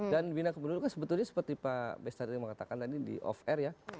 dan bina kependudukan sebetulnya seperti pak bestadil mengatakan tadi di off air ya